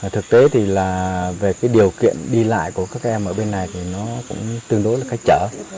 thực tế thì là về cái điều kiện đi lại của các em ở bên này thì nó cũng tương đối là khách trở